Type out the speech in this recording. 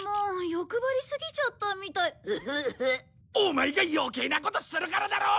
オマエが余計なことするからだろう！